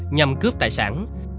nhằm cướp tài sản